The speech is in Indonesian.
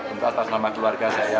untuk atas nama keluarga saya